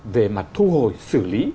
về mặt thu hồi xử lý